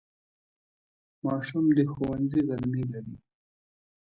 ماشوم د ښوونځي غرمې لري.